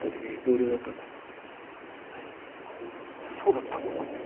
えっそうだったんですか？